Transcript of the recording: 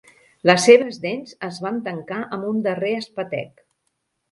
Les seves dents es van tancar amb un darrer espetec.